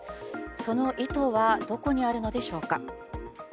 その意図はどこにあるのでしょうか。